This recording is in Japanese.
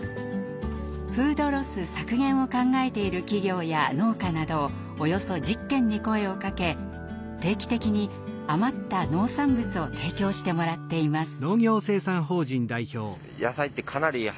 フードロス削減を考えている企業や農家などおよそ１０軒に声をかけ定期的に余った農産物を提供してもらっています。